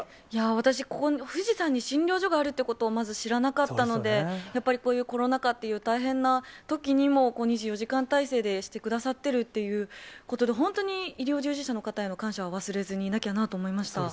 私、富士山に診療所があるということをまず知らなかったので、やっぱり、こういうコロナ禍っていう大変なときにも、２４時間体制でしてくださってるっていうことで、本当に医療従事者の方への感謝は忘れずにいなきゃなと思いました。